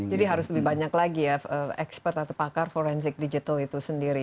jadi harus lebih banyak lagi ya ekspert atau pakar forensik digital itu sendiri